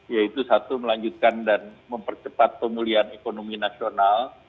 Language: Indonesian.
yaitu satu melanjutkan dan mempercepat pemulihan ekonomi nasional